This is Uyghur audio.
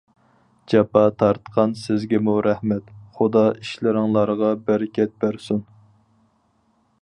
جاپا تارتقان سىزگىمۇ رەھمەت، خۇدا ئىشلىرىڭلارغا بەرىكەت بەرسۇن.